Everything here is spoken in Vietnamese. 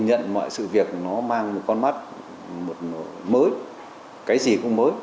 nhận mọi sự việc nó mang một con mắt mới cái gì cũng mới